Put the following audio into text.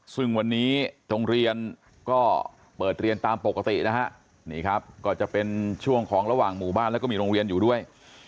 ซึ่งวันนี้โรงเรียนก็เปิดเรียนตามปกตินะฮะนี่ครับก็จะเป็นช่วงของระหว่างหมู่บ้านแล้วก็มีโรงเรียนอยู่ด้วย